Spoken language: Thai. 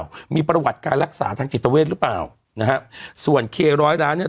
ว่ามีประวัติการรักษาทางจิตเวทหรือเปล่านะฮะส่วนเคร้อยล้านเนี้ย